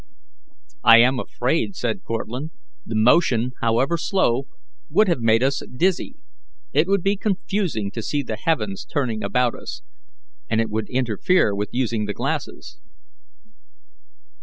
"I am afraid," said Cortlandt, "the motion, however slow, would have made us dizzy. It would be confusing to see the heavens turning about us, and it would interfere with using the glasses."